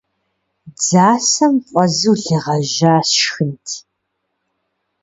Дзасэм фӏэзу лы гъэжьа сшхынт!